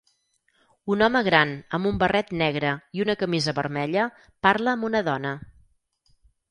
Un home gran amb un barret negre i una camisa vermella parla amb una dona.